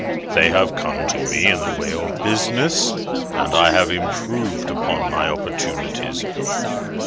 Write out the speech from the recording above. They have come to me in the way of business, and I have improved upon my opportunities.